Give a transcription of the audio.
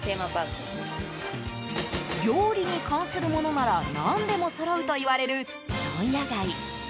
料理に関するものなら何でもそろうといわれる問屋街。